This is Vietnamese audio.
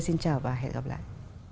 xin chào và hẹn gặp lại